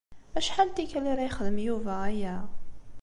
Acḥal n tikkal ara yexdem Yuba aya?